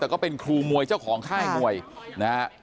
แต่ก็เป็นครูมวยเจ้าของค่ายมวยนะฮะ